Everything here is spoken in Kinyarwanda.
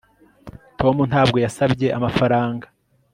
Tom ntabwo yasabye amafaranga